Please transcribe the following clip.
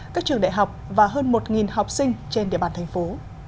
các trường đại học và hơn một học sinh trên địa bàn thành phố